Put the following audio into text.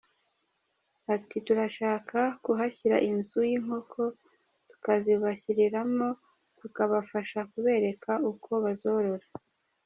Ati “Turashaka kuhashyira inzu y’inkoko, tukazibashyiriramo tukabafasha kubereka uko bazorora.